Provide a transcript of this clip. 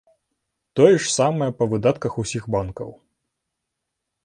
Тое ж самае па выдатках усіх банкаў.